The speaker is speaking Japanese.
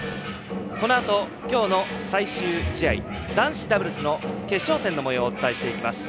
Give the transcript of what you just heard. このあと今日の最終試合男子ダブルスの決勝戦のもようをお伝えしていきます。